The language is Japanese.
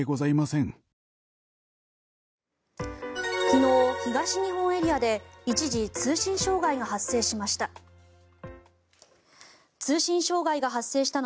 昨日、東日本エリアで一時、通信障害が発生しました。